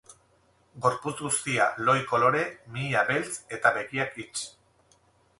Gorputz guztia lohi-kolore, mihia beltz eta begiak hits.